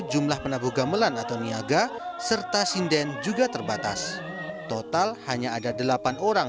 jumlah penabuh gamelan atau niaga serta sinden juga terbatas total hanya ada delapan orang